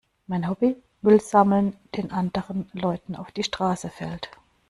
Mein Hobby? Müll sammeln, den anderen Leuten auf die Straße fällt.